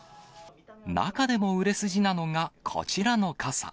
中でも売れ筋なのがこちらの傘。